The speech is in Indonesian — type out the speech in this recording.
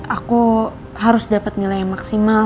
aku harus dapat nilai yang maksimal